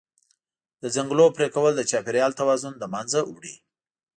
د ځنګلونو پرېکول د چاپېریال توازن له منځه وړي.